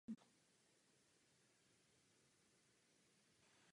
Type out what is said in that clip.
Rozložení zdrojů elektřiny a spotřebitelů bylo v Německu téměř ideální.